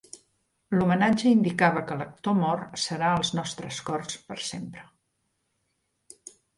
L'homenatge indicava que l'actor mort serà a Als nostres corts per sempre.